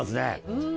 うん。